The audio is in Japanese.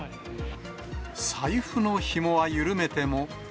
財布のひもは緩めても。